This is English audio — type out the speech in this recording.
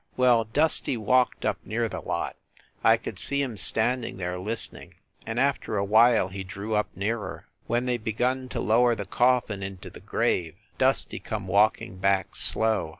Well, Dusty walked up near 0ie lot. I could see him standing there, listening, and after a while he drew up nearer. When they begun to lower the coffin into the grave Dusty come walking back slow.